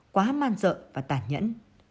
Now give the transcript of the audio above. quá man sợ và tàn nhẫn